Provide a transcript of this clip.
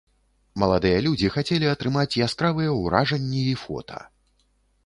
Маладыя людзі хацелі атрымаць яскравыя ўражанні і фота.